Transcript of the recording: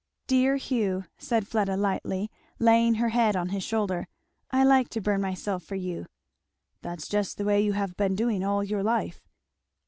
"Dear Hugh," said Fleda lightly, laying her head on his shoulder, "I like to burn myself for you." "That's just the way you have been doing all your life."